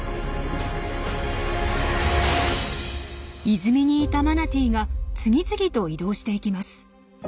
泉にいたマナティーが次々と移動していきます。